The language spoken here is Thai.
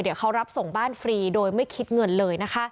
เดี๋ยวเขารับส่งบ้านฟรีโดยไม่คิดเงินเลยนะคะ